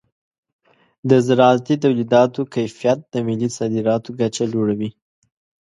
د زراعتي تولیداتو کیفیت د ملي صادراتو کچه لوړوي.